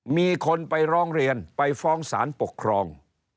มีคนไปร้องเรียนไปฟ้องสารปกครอง